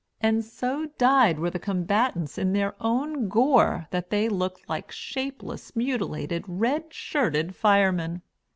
And so dyed were the combatants in their own gore that they looked like shapeless, mutilated, red shirted firemen.